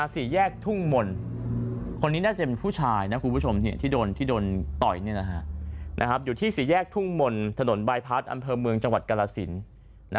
สี่แยกทุ่งมนคนนี้น่าจะเป็นผู้ชายที่โดนต่อยอยู่ที่สี่แยกทุ่งมนถนนใบพัดอำเภอเมืองจังหวัดกรศิลป์